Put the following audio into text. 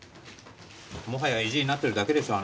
もはや意地になってるだけでしょ